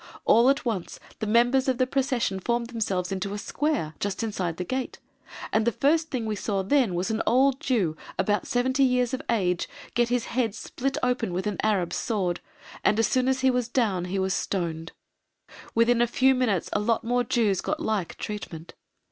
All at once the members of the procession formed themselves into a square, just inside the gate, and the first thing we saw then was an old Jew, about 70 years of age, get his head split open with an Arab's sword, and as soon as he was down he was stoned; within a few minutes a lot more Jews got like treatment.